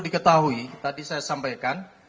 diketahui tadi saya sampaikan